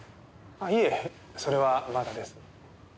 いえそれはまだです。